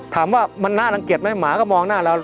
ถามว่ามันน่ารังเกียจไหมหมาก็มองหน้าเรา